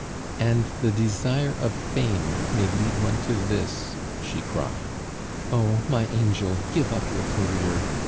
"And the desire of fame may lead one to this!" she cried. "Oh! my angel, give up your career.